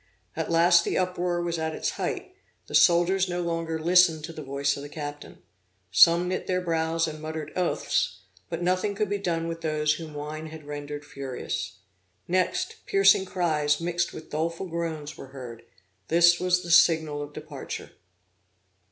At last the uproar was at its height; the soldiers no longer listened to the voice of the captain. Some knit their brows and muttered oaths; but nothing could be done with those whom wine had rendered furious. Next, piercing cries mixed with doleful groans were heard this was the signal of departure.